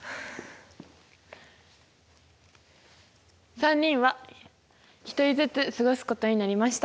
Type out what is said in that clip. ３人は１人ずつ過ごすことになりました。